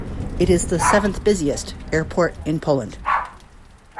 It is the seventh-busiest airport in Poland.